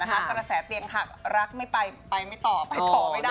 กระแสเตียงหักรักไม่ไปไม่ต่อไปต่อไม่ได้